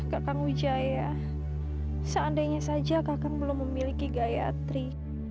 kak kang ujaya seandainya saja kak kang belum memiliki gayatri